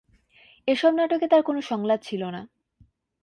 এসব নাটকে তার কোন সংলাপ ছিল না।